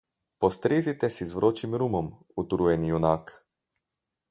Postrezite si z vročim rumom, utrujeni junak.